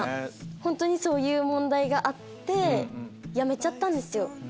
本当にそういう問題があってやめちゃったんですよ。